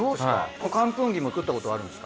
このカンプンギも作ったことはあるんですか？